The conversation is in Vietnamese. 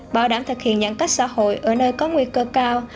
bảo đảm thực hiện giãn cách xã hội ở nơi có nguy cơ cao